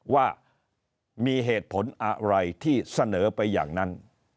ว่ามีเหตุผลอะไรที่เสนอไปอย่างนั้น